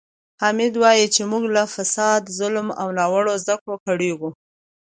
حامد وایي چې موږ له فساد، ظلم او ناوړه زده کړو کړېږو.